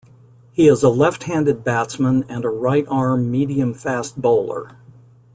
He is a left-handed batsman and a right-arm medium-fast bowler.